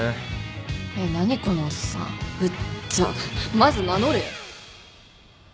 まず名乗れよ。